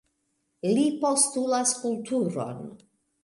Li postulas kulturon.